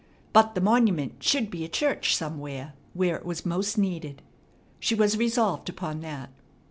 But the monument should be a church somewhere where it was most needed. She was resolved upon that.